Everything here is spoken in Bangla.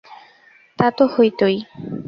তা তো হইতই।